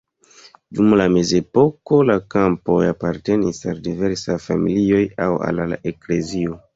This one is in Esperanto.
Dum la mezepoko la kampoj apartenis al diversaj familioj aŭ al la eklezio.